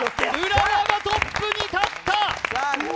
浦和がトップに立った！